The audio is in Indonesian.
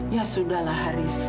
ya sudah